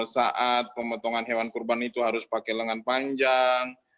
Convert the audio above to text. saat pemotongan hewan kurban itu harus pakai lengan panjang